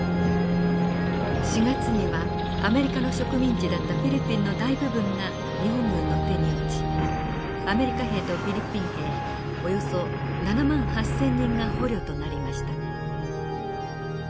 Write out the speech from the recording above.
４月にはアメリカの植民地だったフィリピンの大部分が日本軍の手に落ちアメリカ兵とフィリピン兵およそ７万８，０００人が捕虜となりました。